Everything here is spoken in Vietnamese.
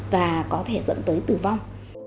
và có thể dẫn tới tử vong